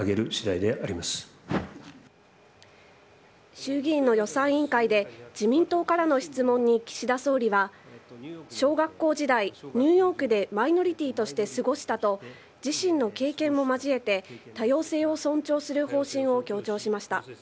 衆議院の予算委員会で自民党からの質問に岸田総理は小学校時代、ニューヨークでマイノリティーとして過ごしたと自身の経験も交えて多様性を尊重する方針を強調しました。